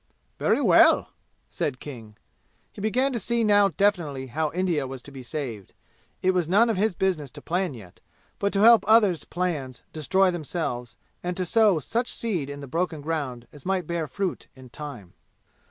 "Very well," said King. He began to see now definitely how India was to be saved. It was none of his business to plan yet, but to help others' plans destroy themselves and to sow such seed in the broken ground as might bear fruit in time.